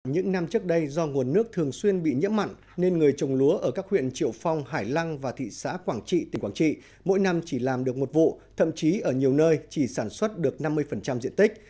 những năm trước đây do nguồn nước thường xuyên bị nhiễm mặn nên người trồng lúa ở các huyện triệu phong hải lăng và thị xã quảng trị tỉnh quảng trị mỗi năm chỉ làm được một vụ thậm chí ở nhiều nơi chỉ sản xuất được năm mươi diện tích